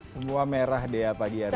semua merah deh pagi hari ini